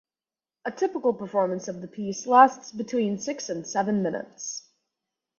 A typical performance of the piece lasts between six and seven minutes.